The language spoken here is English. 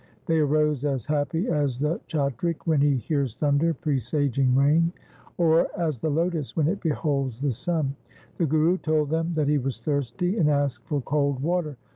They arose as happy as the chatrik when he hears thunder presaging rain, or as the lotus when it beholds the sun. The Guru told them that he was thirsty and asked for cold water.